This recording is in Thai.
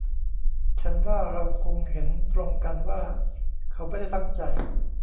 ฉันว่าเราคงเห็นตรงกันว่าเขาไม่ได้ตั้งใจ